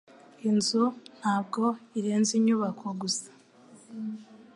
Inzu ntabwo irenze inyubako gusa.